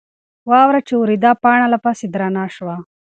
واوره چې وورېده، پاڼه لا پسې درنه شوه.